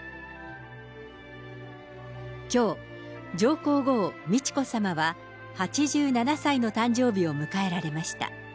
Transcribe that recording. きょう、上皇后美智子さまは８７歳の誕生日を迎えられました。